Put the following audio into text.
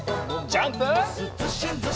ジャンプ！